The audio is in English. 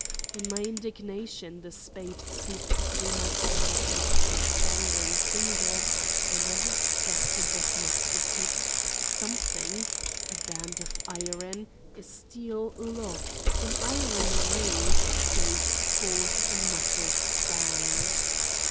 In my indignation the spade slipped through my cramped and perspiring fingers, and as it struck the bottom of the pit, something—a band of iron, a steel lock, an iron ring—gave forth a muffled sound.